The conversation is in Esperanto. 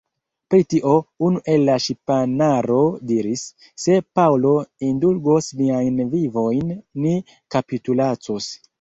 Pri tio, unu el la ŝipanaro diris, Se Paŭlo indulgos niajn vivojn, ni kapitulacos.